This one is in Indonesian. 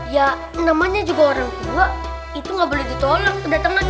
ya namanya juga orang tua itu nggak boleh ditolak kedatangannya